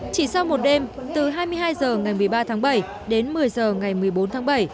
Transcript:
chỉ sau một đêm từ hai mươi hai h ngày một mươi ba tháng bảy đến một mươi h ngày một mươi bốn tháng bảy